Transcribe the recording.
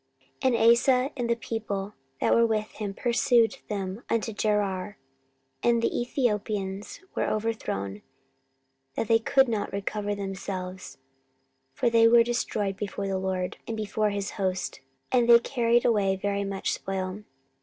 14:014:013 And Asa and the people that were with him pursued them unto Gerar: and the Ethiopians were overthrown, that they could not recover themselves; for they were destroyed before the LORD, and before his host; and they carried away very much spoil.